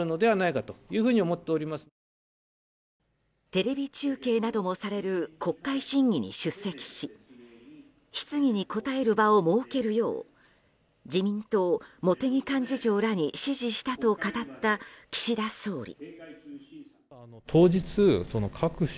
テレビ中継などもされる国会審議に出席し質疑に答える場を設けるよう自民党、茂木幹事長らに指示したと語った岸田総理。